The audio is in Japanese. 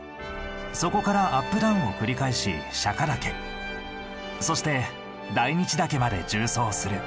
そこからアップダウンを繰り返し釈岳そして大日岳まで縦走する。